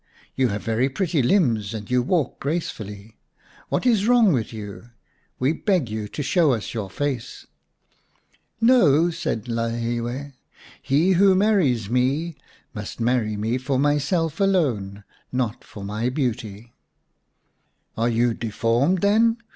" You have very pretty limbs and you walk gracefully. What is wrong with you ? We beg you to show us your face." " No," said Lalhiwe. " He who marries me must marry me for myself alone, not for my beauty." " Are you deformed, then